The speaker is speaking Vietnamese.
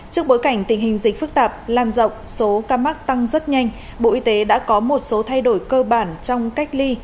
trước bối cảnh tình hình dịch phức tạp lan rộng số ca mắc tăng rất nhanh bộ y tế đã có một số thay đổi cơ bản trong cách ly